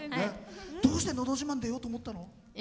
どうして「のど自慢」出ようと思ったの？